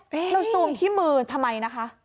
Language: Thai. เราซูมที่มือทำไมนะคะ